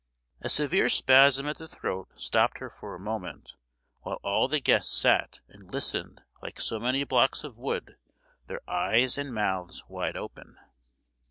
A severe spasm at the throat stopped her for a moment; while all the guests sat and listened like so many blocks of wood, their eyes and mouths wide open.